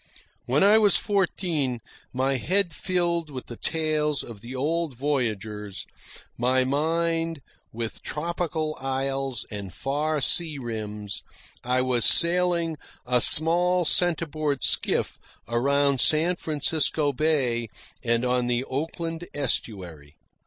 When I was fourteen, my head filled with the tales of the old voyagers, my vision with tropic isles and far sea rims, I was sailing a small centreboard skiff around San Francisco Bay and on the Oakland Estuary.